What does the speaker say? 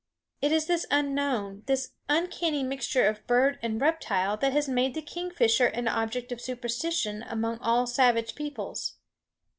It is this unknown, this uncanny mixture of bird and reptile that has made the kingfisher an object of superstition among all savage peoples.